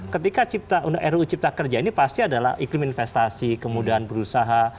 ketika ruu cipta kerja ini pasti adalah iklim investasi kemudahan berusaha